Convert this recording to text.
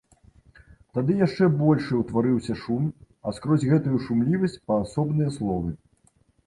Тады яшчэ большы ўтварыўся шум, а скрозь гэтую шумлівасць паасобныя словы.